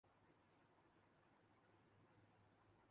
کیا شریف خاندان کو ان کے سوالات کے جواب ملیں گے؟